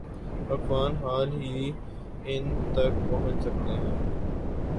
واقفان حال ہی ان تک پہنچ سکتے ہیں۔